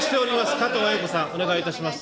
加藤鮎子さん、お願いいたします。